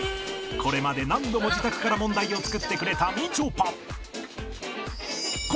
これまで何度も自宅から問題を作ってくれたみちょぱ